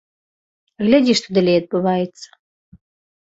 Глядзі, што далей адбываецца.